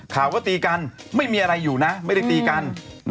ข่าวก็ตีกันไม่มีอะไรอยู่นะไม่ได้ตีกัน